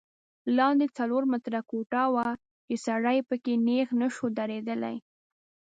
لاندې څلور متره کوټه وه چې سړی په کې نیغ نه شو درېدلی.